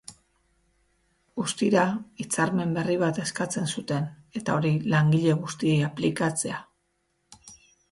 Guztira, hitzarmen berri bat eskatzen zuten, eta hori langile guztiei aplikatzea.